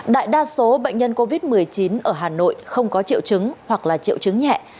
đại đa số bệnh nhân covid một mươi chín ở hà nội không có triệu chứng hoặc là triệu chứng nhẹ